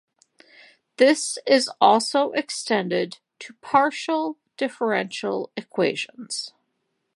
This is also extended to partial differential equations.